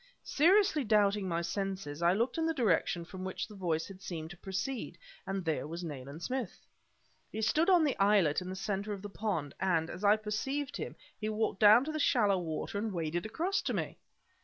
Seriously doubting my senses, I looked in the direction from which the voice had seemed to proceed and there was Nayland Smith. He stood on the islet in the center of the pond, and, as I perceived him, he walked down into the shallow water and waded across to me!